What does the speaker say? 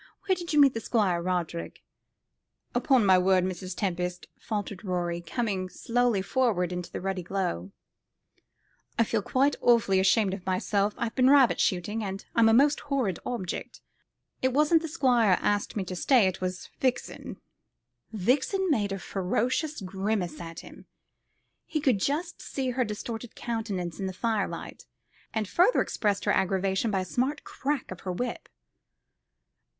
Where did you meet the Squire, Roderick?" "Upon my word, Mrs. Tempest," faltered Rorie, coming slowly forward into the ruddy glow, "I feel quite awfully ashamed of myself; I've been rabbit shooting, and I'm a most horrid object. It wasn't the Squire asked me to stay. It was Vixen." Vixen made a ferocious grimace at him he could just see her distorted countenance in the fire light and further expressed her aggravation by a smart crack of her whip.